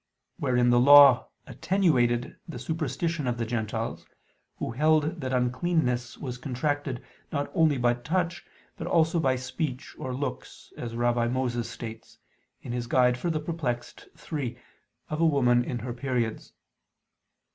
Wherein the Law attenuated the superstition of the Gentiles, who held that uncleanness was contracted not only by touch, but also by speech or looks, as Rabbi Moses states (Doct. Perplex. iii) of a woman in her periods.